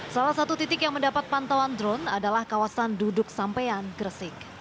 salah satu titik yang mendapat pantauan drone adalah kawasan duduk sampean gresik